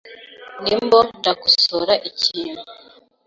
Ndimo ndakosora ikintu .